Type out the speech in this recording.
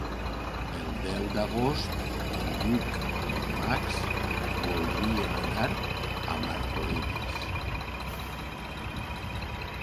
El deu d'agost en Lluc i en Max voldrien anar a Martorelles.